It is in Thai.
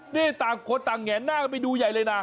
นี่ต่างคนต่างแงนหน้ากันไปดูใหญ่เลยนะ